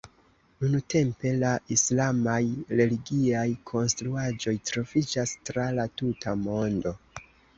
Nuntempe la islamaj religiaj konstruaĵoj troviĝas tra la tuta mondo.